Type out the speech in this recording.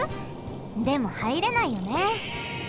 でもはいれないよね。